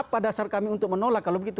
itu adalah dasar kami untuk menolak kalau begitu